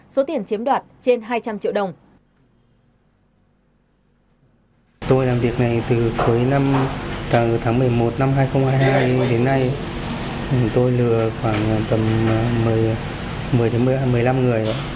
số tiền chiếm đoạt trên hai trăm linh triệu đồng